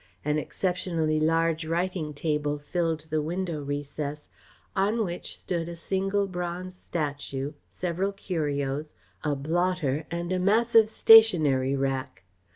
An exceptionally large writing table filled the window recess, on which stood a single bronze statue, several curios, a blotter and a massive stationery rack.